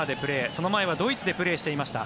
その前はドイツでプレーをしていました。